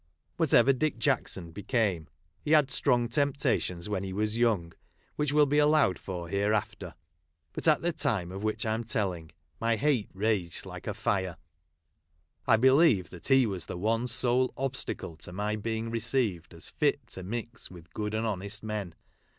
Whatever Dick Jack son became, he had strong temptations when he was young, which will be allowed for hereafter. But at the time of which I am telling, my hate raged like a fire. I believed that he was the one sole obstacle to my being received as fit to mix with good and honest men.